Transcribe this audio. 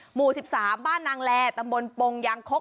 หมู่๑๓บ้านนางแลตำบลปงยางคก